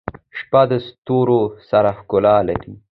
• شپه د ستورو سره ښکلا لري.